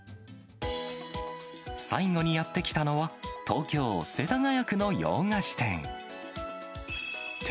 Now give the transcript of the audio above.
最後にやって来たのは、東京・世田谷区の洋菓子店。